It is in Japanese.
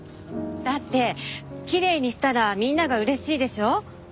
だってきれいにしたらみんなが嬉しいでしょ？